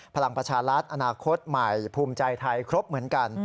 พลังประชารัฐอนาคตใหม่ภูมิใจไทยครบเหมือนกัน